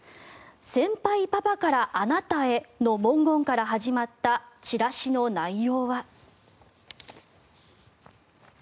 「先輩パパからあなたへ」の文言から始まったチラシの内容は。